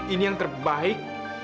ini yang terbaik